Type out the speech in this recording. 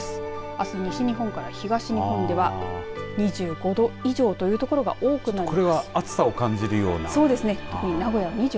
あす、西日本から東日本では２５度以上という所が多くなります。